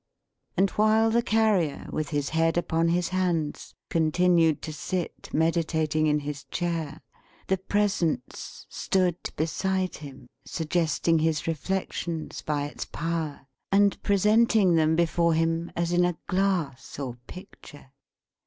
And while the Carrier, with his head upon his hands, continued to sit meditating in his chair, the Presence stood beside him; suggesting his reflections by its power, and presenting them before him, as in a Glass or Picture.